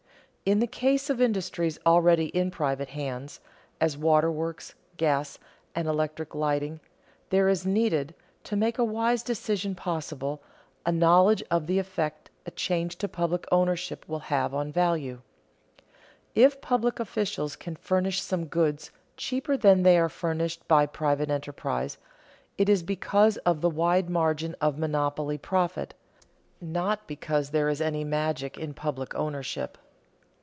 In the case of industries already in private hands, as waterworks, gas and electric lighting, there is needed, to make a wise decision possible, a knowledge of the effect a change to public ownership will have on value. If public officials can furnish some goods cheaper than they are furnished by private enterprise, it is because of the wide margin of monopoly profit, not because there is any magic in public ownership.